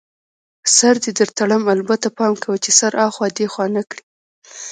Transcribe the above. سر دې در تړم، البته پام کوه چي سر اخوا دیخوا نه کړې.